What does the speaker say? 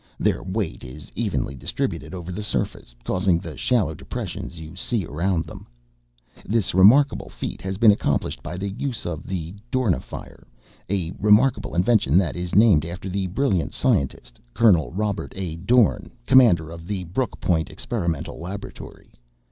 Their weight is evenly distributed over the surface, causing the shallow depressions you see around them. "This remarkable feat has been accomplished by the use of the Dornifier. A remarkable invention that is named after that brilliant scientist, Colonel Robert A. Dorn, Commander of the Brooke Point Experimental Laboratory.